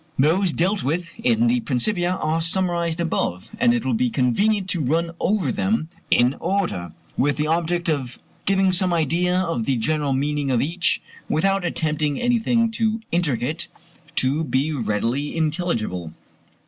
Those dealt with in the Principia are summarized above, and it will be convenient to run over them in order, with the object of giving some idea of the general meaning of each, without attempting anything too intricate to be readily intelligible.